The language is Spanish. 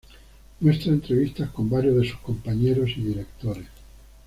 Muestra entrevistas con varios de sus compañeros y directores.